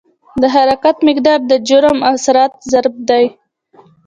د حرکت مقدار د جرم او سرعت ضرب دی.